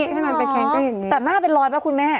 จริงหรือแต่หน้าเป็นร้อยปะคุณแม่